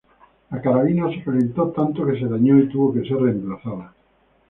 La carabina se calentó tanto, que se dañó y tuvo que ser reemplazada.